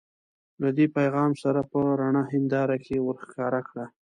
له دې پیغام سره په رڼه هنداره کې ورښکاره کړه.